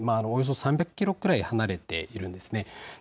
およそ３００キロくらい離れているんですね。